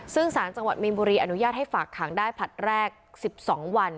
ซึ่งสารจังหวัดมีนบุรีอนุญาตให้ฝากขังได้ผลัดแรก๑๒วัน